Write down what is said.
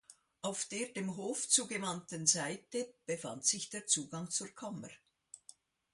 Auf der dem Hof zugewandten Seite befand sich der Zugang zur Kammer.